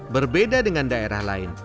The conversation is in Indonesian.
berbeda dengan daerah lain